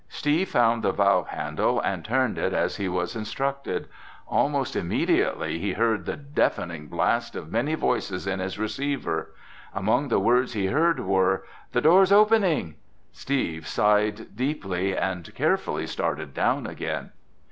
Steve found the valve handle and turned it as he was instructed. Almost immediately he heard the deafening blast of many voices in his receiver. Among the words he heard were, "The door's opening!" Steve sighed deeply and carefully started down again.